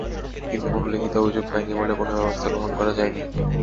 কিন্তু কোনো লিখিত অভিযোগ পাইনি বলে কোনো ব্যবস্থা গ্রহণ করা যায়নি।